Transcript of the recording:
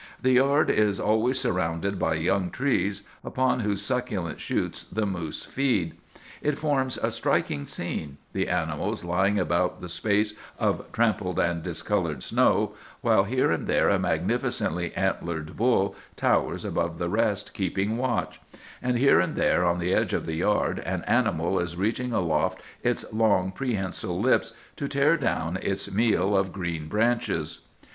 The yard is always surrounded by young trees, upon whose succulent shoots the moose feed. It forms a striking scene—the animals lying about the space of trampled and discolored snow, while here and there a magnificently antlered bull towers above the rest, keeping watch; and here and there on the edge of the yard an animal is reaching aloft its long, prehensile lips to tear down its meal of green branches.